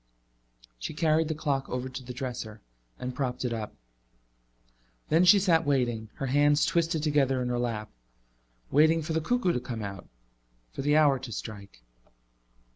She carried the clock over to the dresser and propped it up. Then she sat waiting, her hands twisted together in her lap waiting for the cuckoo to come out, for the hour to strike.